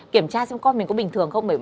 kiểm tra xem con mình có bình thường không